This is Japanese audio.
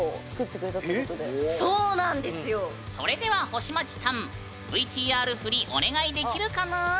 それでは星街さんＶＴＲ振りお願いできるかぬん？